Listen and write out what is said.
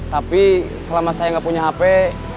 tapi selama saya gak punya hape